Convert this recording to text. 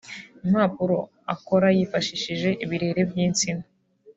impapuro akora yifashishije ibirere by’insina